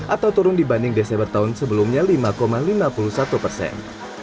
atau turun dibanding desember tahun sebelumnya lima lima puluh satu persen